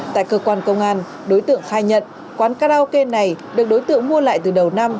tại cơ quan công an đối tượng khai nhận quán karaoke này được đối tượng mua lại từ đầu năm